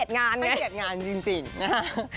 ให้เกียรติงานไงจริงนะครับ